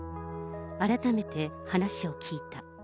改めて話を聞いた。